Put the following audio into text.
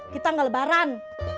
kita gak lebaran